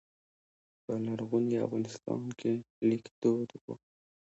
په لرغوني افغانستان کې لیک دود و